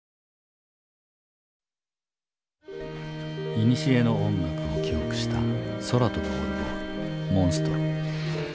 いにしえの音楽を記憶した空飛ぶオルゴール「モンストロ」。